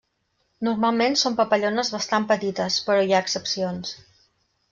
Normalment són papallones bastant petites però hi ha excepcions.